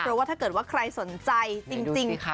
เพราะว่าถ้าเกิดว่าใครสนใจจริง